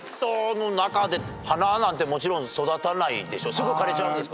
すぐ枯れちゃうんですか？